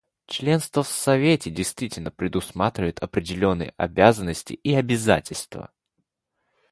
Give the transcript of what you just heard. Членство в Совете действительно предусматривает определенные обязанности и обязательства.